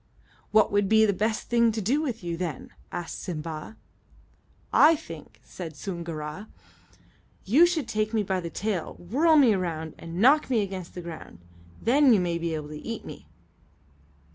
"What would be the best thing to do with you, then?" asked Simba. "I think," said Soongoora, "you should take me by the tail, whirl me around, and knock me against the ground. Then you may be able to eat me."